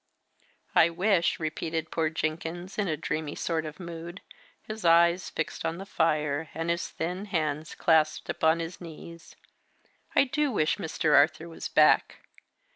"I wish," repeated poor Jenkins in a dreamy sort of mood, his eyes fixed on the fire, and his thin hands clasped upon his knees: "I do wish Mr. Arthur was back.